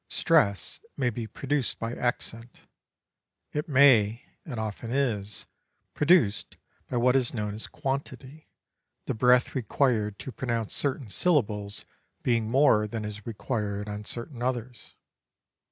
Stress may be produced by accent. It may and often is produced by what is known as quantity, the breath required to pronounce certain syllables being more than is required on certain others.